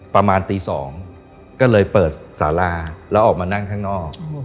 ประมาณตี๒ก็เลยเปิดสาราแล้วออกมานั่งข้างนอก